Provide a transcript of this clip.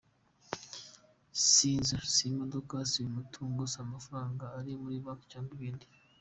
Si inzu, si imodoka, si umutungo, si amafaranga ari muri Banki cyangwa ibindi,….